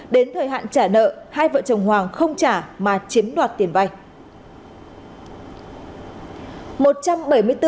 đến thời hạn trả nợ hai vợ chồng hoàng không trả mà chiếm đoạt tiền vay